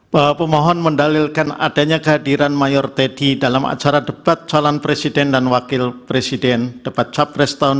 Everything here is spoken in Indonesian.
bahwa pemohon mendalilkan adanya kehadiran mayor teddy dalam acara debat calon presiden dan wakil presiden debat capres tahun dua ribu dua puluh